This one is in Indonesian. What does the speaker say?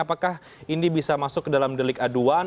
apakah ini bisa masuk ke dalam delik aduan